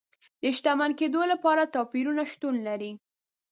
د شتمن کېدو لپاره توپیرونه شتون لري.